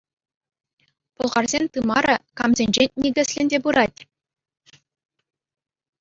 Пӑлхарсен тымарӗ камсенчен никӗсленсе пырать?